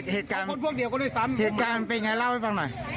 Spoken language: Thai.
คนพวกเดียวกันด้วยซ้ำเหตุการณ์มันเป็นไงเล่าให้ฟังหน่อย